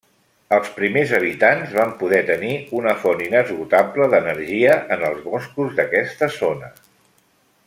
Els primers habitants van poder tenir una font inesgotable d'energia en els boscos d'aquesta zona.